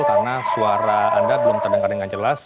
karena suara anda belum terdengar dengan jelas